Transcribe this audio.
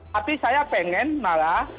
tapi saya pengen malah